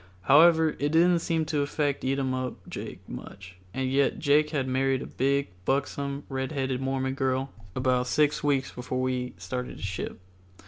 However, it didn't seem to affect Eatumup Jake much, and yet Jake had married a big, buxom, red headed Mormon girl about six weeks before we started to ship.